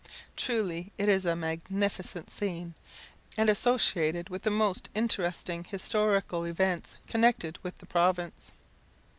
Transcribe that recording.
Truly it is a magnificent scene, and associated with the most interesting historical events connected with the province.